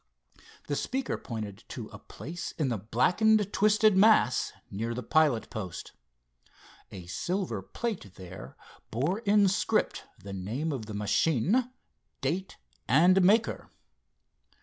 The speaker pointed to a place in the blackened twisted mass near the pilot post. A silver plate there bore in script the name of the machine, date and maker.